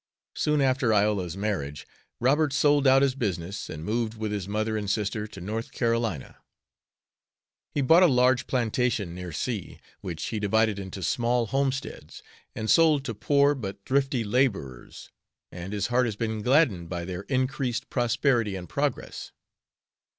Soon after Iola's marriage, Robert sold out his business and moved with his mother and sister to North Carolina. He bought a large plantation near C , which he divided into small homesteads, and sold to poor but thrifty laborers, and his heart has been gladdened by their increased prosperity and progress.